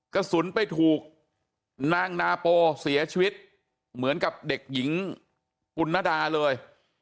กระสุนไปถูกนางนาโปเสียชีวิตเหมือนกับเด็กหญิงกุณดาเลย